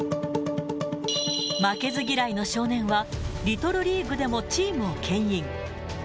負けず嫌いの少年は、リトルリーグでもチームをけん引。